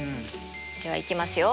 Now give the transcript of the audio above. ではいきますよ。